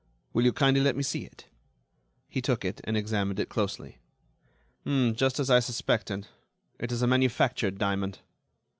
"Will you kindly let me see it?" He took it, and examined it closely. "Just as I suspected: it is a manufactured diamond."